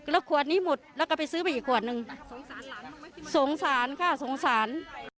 แล้วขวดนี้หมดแล้วก็ไปซื้อไปอีกขวดนึงสงสารหลานสงสารค่ะสงสาร